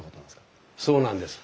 そうなんです。